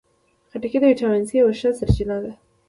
خټکی د ویټامین سي یوه ښه سرچینه ده.